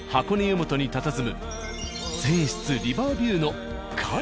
湯本にたたずむ全室リバービューの界